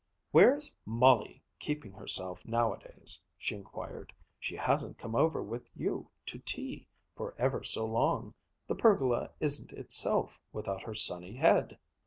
"Where's Molly keeping herself nowadays?" she inquired. "She hasn't come over with you, to tea, for ever so long. The pergola isn't itself without her sunny head."